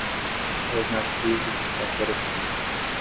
Os narcisos estão florescendo.